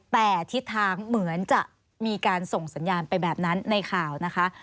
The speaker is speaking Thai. แต่ทิศทางเหมือนจะมีการส่งสัญญาณไปแบบนั้นในข่าวนะคะ